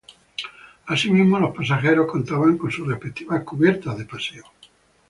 Así mismo, los pasajeros contaban con su respectiva cubierta de paseo.